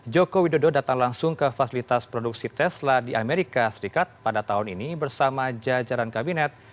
joko widodo datang langsung ke fasilitas produksi tesla di amerika serikat pada tahun ini bersama jajaran kabinet